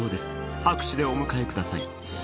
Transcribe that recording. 「拍手でお迎えください」